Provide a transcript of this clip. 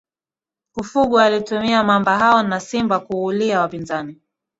kufugwa alitumia mamba hao na simba kuulia wapinzani